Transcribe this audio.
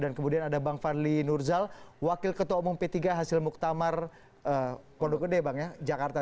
dan kemudian ada bang fadli nurzal wakil ketua umum p tiga hasil mektamar kondok kede bang jakarta